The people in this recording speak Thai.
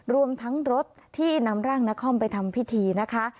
รวมทั้งรถที่นำร่างนครไปทำพิธีนะคะ